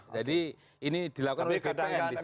jadi ini dilakukan oleh bpn disini